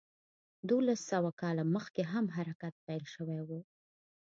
دولس سوه کاله مخکې هم حرکت پیل شوی و.